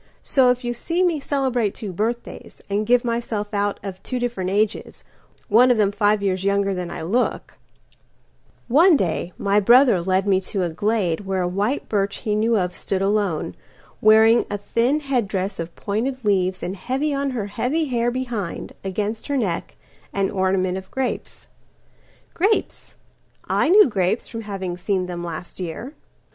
So if you see me celebrate two birthdays, And give myself out of two different ages, One of them five years younger than I look—One day my brother led me to a gladeWhere a white birch he knew of stood alone, Wearing a thin head dress of pointed leaves, And heavy on her heavy hair behind, Against her neck, an ornament of grapes. Grapes, I knew grapes from having seen them last year.